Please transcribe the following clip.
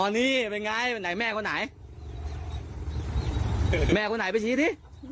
นี่เป็นไงไปไหนแม่คนไหนแม่คนไหนไปชี้สิ